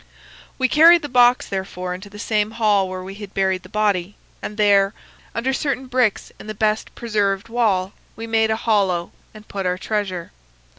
We carried the box, therefore, into the same hall where we had buried the body, and there, under certain bricks in the best preserved wall, we made a hollow and put our treasure.